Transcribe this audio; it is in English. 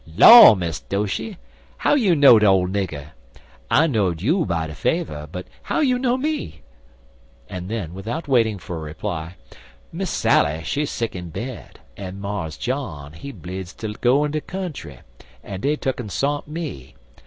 "Law, Miss Doshy! how you know de ole nigger? I know'd you by de faver; but how you know me?" And then, without waiting for a reply: "Miss Sally, she sick in bed, en Mars John, he bleedzd ter go in de country, en dey tuck'n sont me.